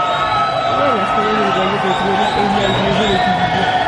Una de las joyas del valle del Esgueva es la iglesia de Pinillos.